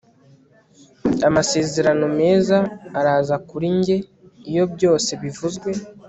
Amasezerano meza araza kuri njye iyo byose bivuzwe